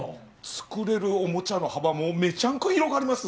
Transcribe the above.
作れるおもちゃの幅もメチャンコ広がります